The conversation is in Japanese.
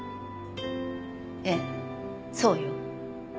ええそうよ。